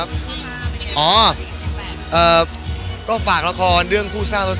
เกิดอะไรกว่าคนต่อเครื่องต่อมาว่า